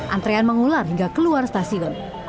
antrean mengular hingga keluar stasiun